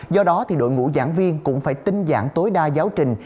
do đó thì đội ngũ giảng viên cũng phải tinh dạng tối đa giáo trình